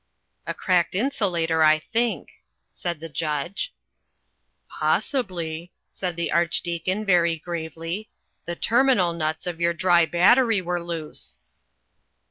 "A cracked insulator, I think," said the Judge. "Possibly," said the Archdeacon very gravely, "the terminal nuts of your dry battery were loose."